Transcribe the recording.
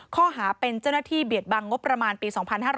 ข้อหาเป็นเจ้าหน้าที่เบียดบังงบประมาณปี๒๕๕๙